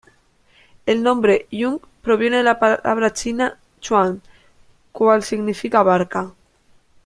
El nombre "jung" proviene la palabra china "chuan" cuál significa barca.